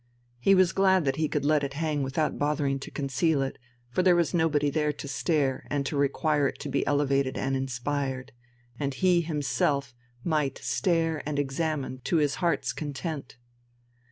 He was glad that he could let it hang without bothering to conceal it; for there was nobody there to stare and to require to be elevated and inspired, and he himself might stare and examine to his heart's content.